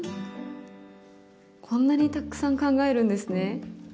こんなにたくさん考えるんですね。